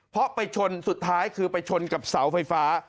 เพราะไปชนสุดท้ายคือไปชนกับเสาไฟฟ้า